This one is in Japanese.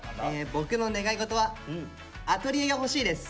僕の願いごとは「アトリエがほしい」です。